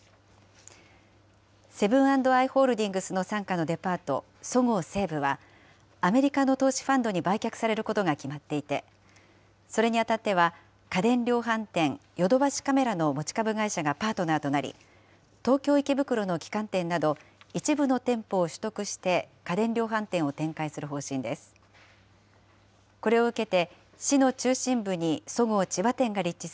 セブン＆アイ・ホールディングスの傘下のデパート、そごう・西武は、アメリカの投資ファンドに売却されることが決まっていて、それにあたっては、家電量販店、ヨドバシカメラの持ち株会社がパートナーとなり、東京・池袋の旗艦店など、一部の店舗を取得して、家電量販店を展開する方針です。